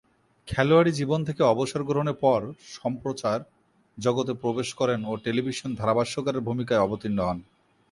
খেলোয়াড়ী জীবন থেকে অবসর গ্রহণের পর সম্প্রচার জগতে প্রবেশ করেন ও টেলিভিশন ধারাভাষ্যকারের ভূমিকায় অবতীর্ণ হন।